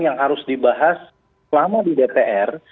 yang harus dibahas selama di dpr